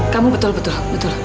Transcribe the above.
kamu betul betul betul